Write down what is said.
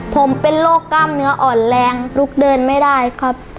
ผมเป็นโรคกล้ามเนื้ออ่อนแรงลุกเดินไม่ได้ครับ